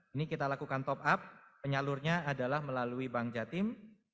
ini kita lakukan top up penyalurnya adalah melalui bank jatim